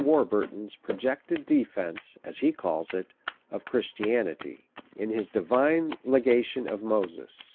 Warburton's projected Defence (as he calls it) of Christianity, in his Divine Legation of Moses.